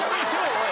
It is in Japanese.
おい！